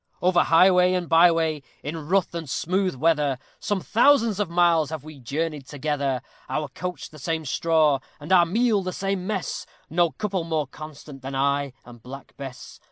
Over highway and by way, in rough and smooth weather, Some thousands of miles have we journeyed together; Our couch the same straw, and our meal the same mess No couple more constant than I and Black Bess.